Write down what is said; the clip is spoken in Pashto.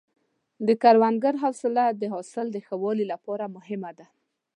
د کروندګر حوصله د حاصل د ښه والي لپاره مهمه ده.